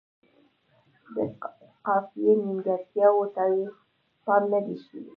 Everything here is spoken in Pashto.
د قافیې نیمګړتیاوو ته یې پام نه دی شوی.